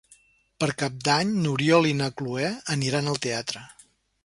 Per Cap d'Any n'Oriol i na Cloè aniran al teatre.